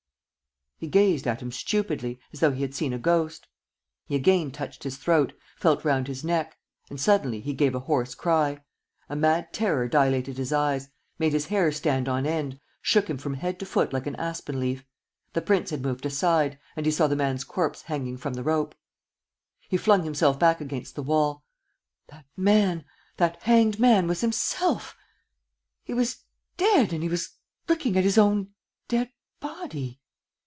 ..." He gazed at him stupidly, as though he had seen a ghost. He again touched his throat, felt round his neck. ... And suddenly he gave a hoarse cry; a mad terror dilated his eyes, made his hair stand on end, shook him from head to foot like an aspen leaf! The prince had moved aside; and he saw the man's corpse hanging from the rope. He flung himself back against the wall. That man, that hanged man, was himself! He was dead and he was looking at his own dead body!